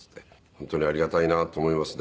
本当にありがたいなと思いますね。